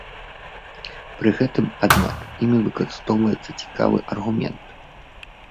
Пры гэтым, аднак, імі выкарыстоўваецца цікавы аргумент.